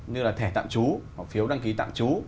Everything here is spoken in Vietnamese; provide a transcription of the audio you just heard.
như là thẻ tạm trú hoặc phiếu đăng ký tạm trú